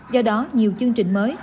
do đó nhiều chương trình mới